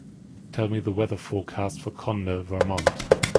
Tell me the weather forecast for Conda, Vermont